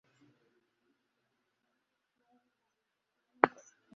bari mu bwato budafashe, bakomoka ari bataraga